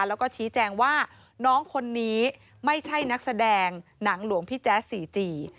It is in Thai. แล้วก็ชี้แจงว่าน้องคนนี้ไม่ใช่นักแสดงหนังหลวงพี่แจ๊สสี่จี